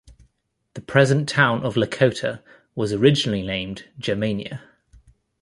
The present town of Lakota was originally named Germania.